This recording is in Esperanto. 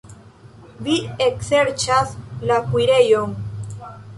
Vi ekserĉas la kuirejon.